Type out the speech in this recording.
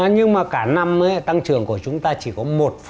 nhưng mà cả năm tăng trưởng của chúng ta chỉ có một bốn